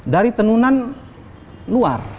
dari tenunan luar